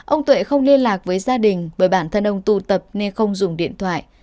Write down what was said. ông tuệ không liên lạc với gia đình bởi bản thân ông tụ tập nên không dùng điện thoại